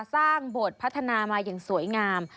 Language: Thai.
สร้างบทพัฒนามาอย่างสวยงาม